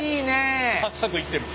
サクサクいってる。